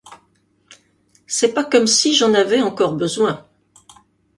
c'est pas comme si j'en avais encore besoin.